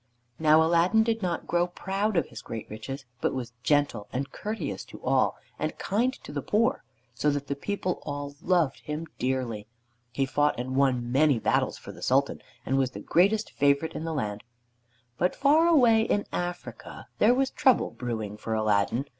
Now Aladdin did not grow proud of his great riches but was gentle and courteous to all, and kind to the poor, so that the people all loved him dearly. He fought and won many battles for the Sultan, and was the greatest favorite in the land. But far away in Africa there was trouble brewing for Aladdin.